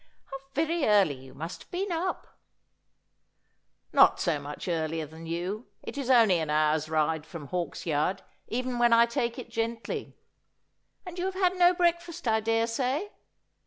'How very early you must have been up !'' Not so much earlier than you. It is only an hour's ride from Hawksyard, even when I take it gently.' ' And you have had no breakfast, I daresay.'